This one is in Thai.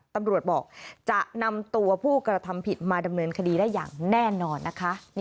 ตำรวจบอกจะนำตัวผู้กระทำผิดมาดำเนินคดีได้อย่างแน่นอนนะคะ